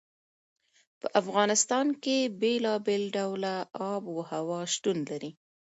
په افغانستان کې بېلابېل ډوله آب وهوا شتون لري.